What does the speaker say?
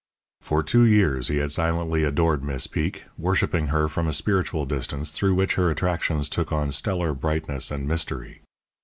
For two years he had silently adored Miss Peek, worshipping her from a spiritual distance through which her attractions took on stellar brightness and mystery.